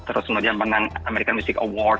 terus kemudian menang american music award